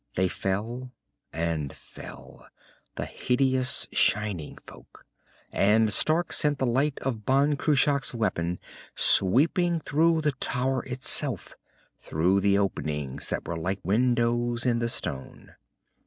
They fell and fell, the hideous shining folk, and Stark sent the light of Ban Cruach's weapon sweeping through the tower itself, through the openings that were like windows in the stone.